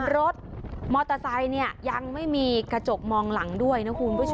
รถมอเตอร์ไซค์เนี่ยยังไม่มีกระจกมองหลังด้วยนะคุณผู้ชม